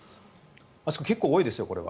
結構多いですよ、これは。